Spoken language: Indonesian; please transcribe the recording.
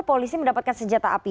polisi mendapatkan senjata api